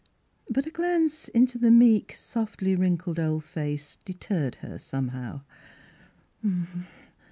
But a glance into the meek, softly wrinkled old face deterred her somehow.